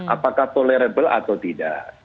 apakah tolerable atau tidak